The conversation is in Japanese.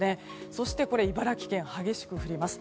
そして茨城県、激しく降ります。